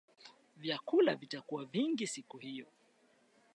Vyakula vitakua vingi siku hiyo